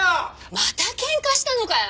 またケンカしたのかよ！